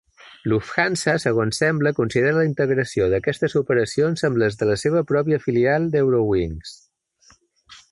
Lufthansa, segons sembla, considera la integració d'aquestes operacions amb les de la seva pròpia filial d'Eurowings.